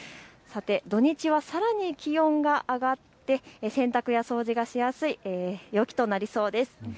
土日はさらに気温が上がって洗濯や掃除がしやすい陽気となりそうです。